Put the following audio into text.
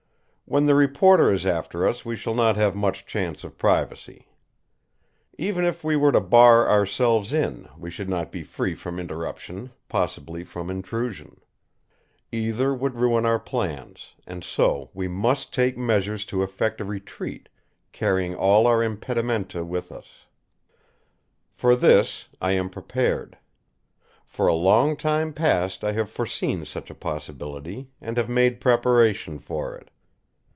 When the reporter is after us we shall not have much chance of privacy. Even if we were to bar ourselves in, we should not be free from interruption, possibly from intrusion. Either would ruin our plans, and so we must take measures to effect a retreat, carrying all our impedimenta with us. For this I am prepared. For a long time past I have foreseen such a possibility, and have made preparation for it.